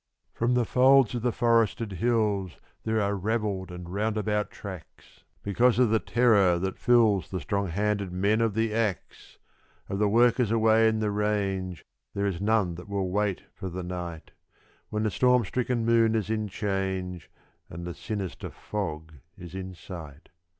From the folds of the forested hills there are ravelled and roundabout tracks, Because of the terror that fills the strong handed men of the axe! Of the workers away in the range there is none that will wait for the night, When the storm stricken moon is in change and the sinister fog is in sight.